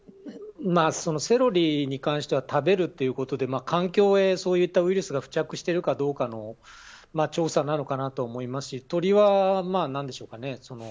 セロリに関しては食べるということで環境へそういったウイルスが付着しているかどうかの調査なのかなと思いますし鳥は、何でしょうかね。